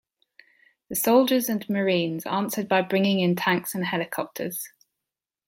The Soldiers and Marines answered by bringing in tanks and helicopters.